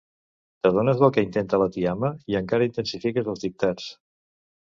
T'adones del que intenta la tiama i encara intensifiques els dictats.